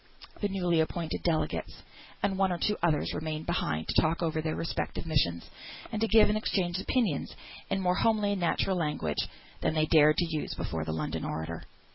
The newly appointed delegates, and one or two others, remained behind to talk over their respective missions, and to give and exchange opinions in more homely and natural language than they dared to use before the London orator.